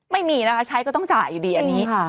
ไม่มีนะคะใช้ก็ต้องจ่ายอยู่ดีอันนี้